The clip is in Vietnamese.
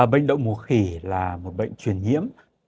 bệnh động mùa khỉ là một bệnh chuyển nhiễm